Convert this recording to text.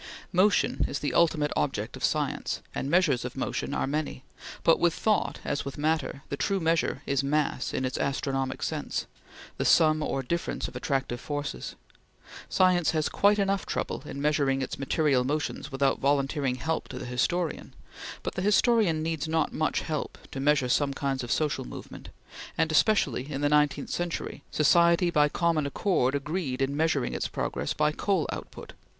Motion is the ultimate object of science, and measures of motion are many; but with thought as with matter, the true measure is mass in its astronomic sense the sum or difference of attractive forces. Science has quite enough trouble in measuring its material motions without volunteering help to the historian, but the historian needs not much help to measure some kinds of social movement; and especially in the nineteenth century, society by common accord agreed in measuring its progress by the coal output.